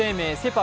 パ